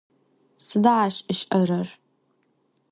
Sıda aş ış'erer?